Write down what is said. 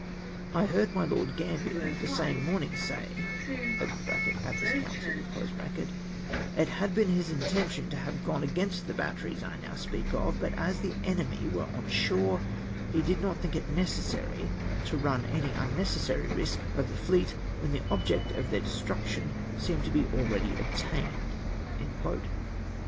" I heard my Lord Gmnhiertke same morning say (at this council) it had been his intention to have gone against the batteries I noiv speak of, bat as the enemy vjere on shore he did not think it necessary to run any unnecessary risk of the fleet ivhen the object of their destruction seemed to be already obtainedr {3Iinutes, pp. 221, 222.)